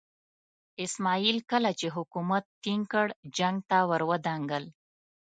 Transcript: اسماعیل کله چې حکومت ټینګ کړ جنګ ته ور ودانګل.